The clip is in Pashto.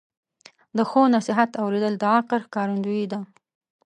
د ښو نصیحت اوریدل د عقل ښکارندویي ده.